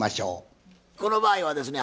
この場合はですね